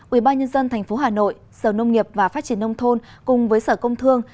ubnd tp hà nội sở nông nghiệp và phát triển nông thôn cùng với sở công thương